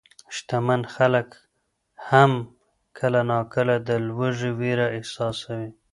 شتمن خلک هم کله ناکله د لوږې وېره احساسوي.